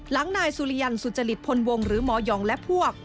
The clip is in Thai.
นายสุริยันสุจริตพลวงหรือหมอยองและพวก